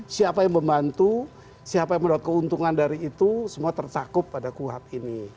siapa yang membantu siapa yang mendapat keuntungan dari itu semua tercakup pada kuhap ini